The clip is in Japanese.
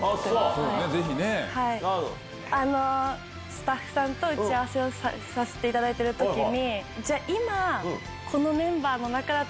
スタッフさんと打ち合わせをさせていただいてる時に。